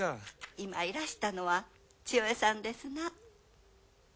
今いらしたのは千代栄さんですな。